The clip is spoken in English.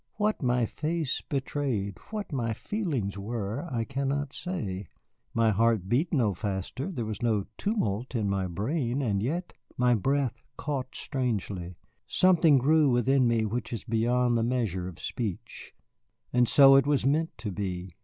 What my face betrayed, what my feelings were, I cannot say. My heart beat no faster, there was no tumult in my brain, and yet my breath caught strangely. Something grew within me which is beyond the measure of speech, and so it was meant to be.